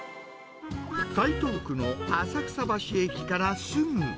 台東区の浅草橋駅からすぐ。